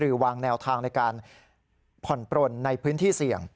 วางแนวทางในการผ่อนปลนในพื้นที่เสี่ยง